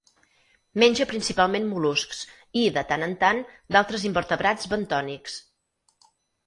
Menja principalment mol·luscs i, de tant en tant, d'altres invertebrats bentònics.